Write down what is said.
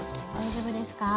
大丈夫ですか？